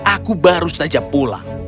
aku baru saja pulang